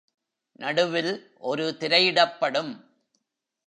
நடுவில் ஒரு திரையிடப்படும்.